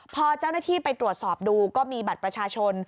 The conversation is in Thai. พอเจ้าหน้าที่ไปตรวจสอบดูก็มีบัตรประชาชน